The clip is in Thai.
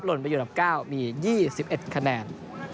หล่นไปอยู่ดับ๙มี๒๑คะแนน